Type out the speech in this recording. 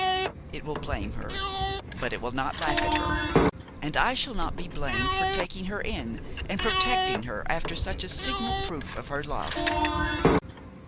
It will blame her, but it will not laugh at her, and I shall not be blamed for taking her in and protecting her after such a signal proof of her love.